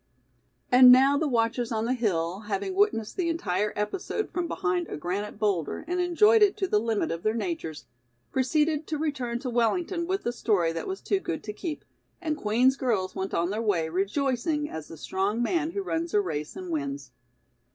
And now the watchers on the hill, having witnessed the entire episode from behind a granite boulder and enjoyed it to the limit of their natures, proceeded to return to Wellington with the story that was too good to keep, and Queen's girls went on their way rejoicing as the strong man who runs a race and wins.